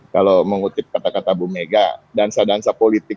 kalau mengutip kata kata bumega dansa dansa politik